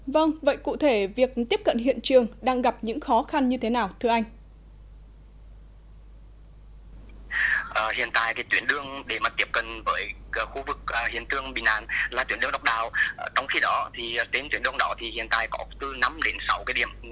vâng vậy cụ thể việc tiếp cận đối với các cán bộ chiến sĩ các cán bộ chiến sĩ đang bị mất tích